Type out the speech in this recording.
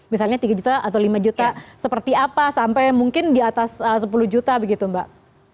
misalnya tiga juta atau lima juta seperti apa sampai mungkin di atas sepuluh juta begitu mbak